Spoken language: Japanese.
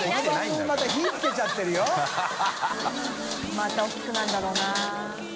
また大きくなるんだろうな。